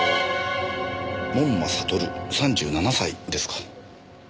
門馬悟３７歳ですか。